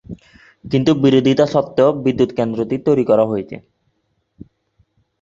কিন্তু বিরোধিতা সত্ত্বেও বিদ্যুত কেন্দ্রটি তৈরি করা হয়েছে।